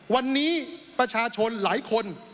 วันนี้ประชาชนหลายคน